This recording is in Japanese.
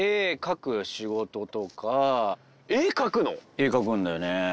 絵描くんだよね。